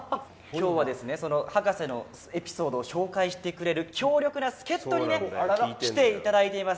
今日はですねその博士のエピソードを紹介してくれる強力な助っ人にね来ていただいています。